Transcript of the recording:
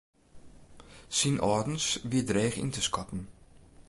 Syn âldens wie dreech te skatten.